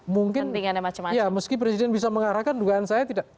mungkin ya meski presiden bisa mengarahkan dugaan saya tidak